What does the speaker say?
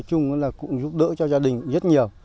cũng giúp đỡ cho gia đình rất nhiều